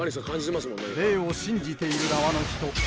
霊を信じている側の人